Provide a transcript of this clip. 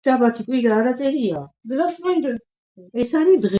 ფერდობებზე აბზინდიანი და აბზინდიან-მლაშობიანი უდაბნოა.